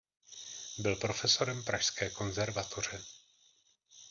Byl profesorem Pražské konzervatoře.